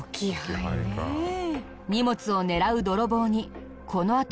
荷物を狙う泥棒にこのあと天罰が。